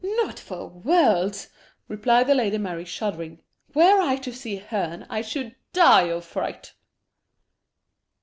"Not for worlds," replied the Lady Mary, shuddering; "were I to see Herne, I should die of fright."